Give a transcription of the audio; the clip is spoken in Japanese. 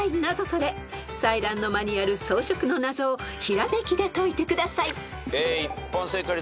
［彩鸞の間にある装飾の謎をひらめきで解いてください］